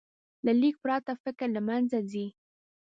له لیک پرته، فکر له منځه ځي.